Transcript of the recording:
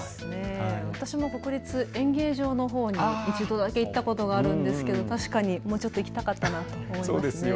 私も国立演芸場のほうに１度だけ行ったことがあるんですけど、確かにもうちょっと行きたかったなと思いますね。